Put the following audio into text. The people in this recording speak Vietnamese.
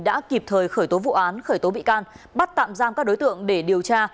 đã kịp thời khởi tố vụ án khởi tố bị can bắt tạm giam các đối tượng để điều tra